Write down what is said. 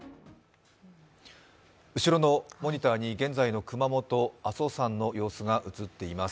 後ろのモニターに現在の熊本・阿蘇山の様子が映っています。